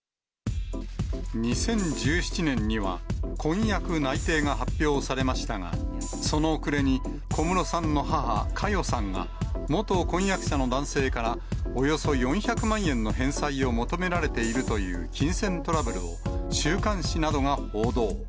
２０１７年には婚約内定が発表されましたが、その暮れに、小室さんの母、佳代さんが、元婚約者の男性からおよそ４００万円の返済を求められているという金銭トラブルを、週刊誌などが報道。